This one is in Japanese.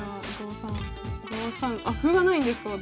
５三あ歩がないんですか私。